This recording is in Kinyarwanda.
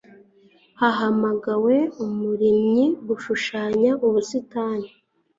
Hahamagawe umurimyi gushushanya ubusitani.